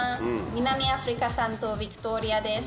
南アフリカ担当ヴィクトーリアです。